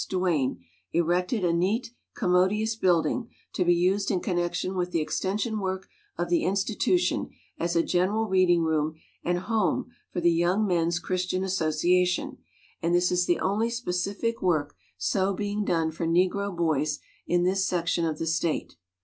Doane, erected a neat, commodi ous building to be used in connection with the extension work of the institution as a general reading room and home for the Young Men's Christian Association; and this is the only specific work so being done for Negro boys in this section of the state.